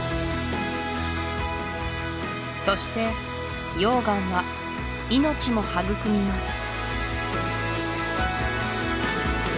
そして溶岩は命も育みます